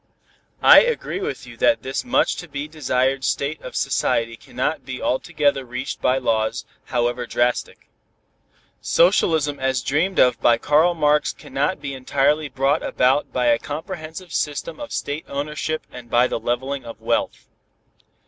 I agree with you that this much to be desired state of society cannot be altogether reached by laws, however drastic. Socialism as dreamed of by Karl Marx cannot be entirely brought about by a comprehensive system of state ownership and by the leveling of wealth.